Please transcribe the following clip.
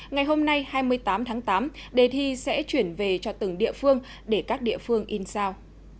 ngày hôm nay hai mươi tám tháng tám đề thi sẽ chuyển về cho từng địa phương để các địa phương in sao